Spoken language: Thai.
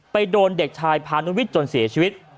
โดนเด็กชายพานุวิทย์จนเสียชีวิต